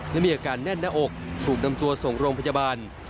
และมีอาการแน่นหน้าอกถูกนำตัวส่งโรงพยาบาล